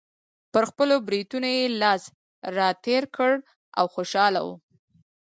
پر خپلو برېتونو یې لاس راتېر کړ او خوشحاله و.